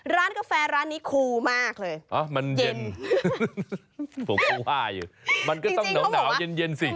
ร้านกาแฟร้านนี้คูลมากเลย